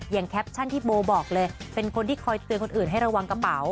แคปชั่นที่โบบอกเลยเป็นคนที่คอยเตือนคนอื่นให้ระวังกระเป๋า